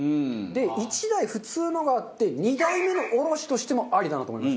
で１台普通のがあって２台目のおろしとしてもありだなと思いましたね。